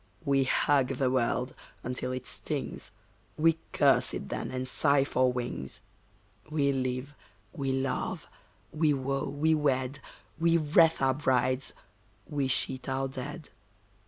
We hug the world until it stings, We curse it then and sigh for wings. We live, we love, we woo, we wed, We wreathe our brides, we sheet our dead.